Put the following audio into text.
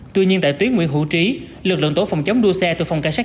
tuy nhiên tại tuyến nguyễn hữu trí lực lượng tổ phòng chống đua xe từ phòng cảnh sát